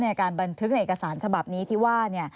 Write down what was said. ในการบันทึกเอกสารฉบับนี้ที่ว่า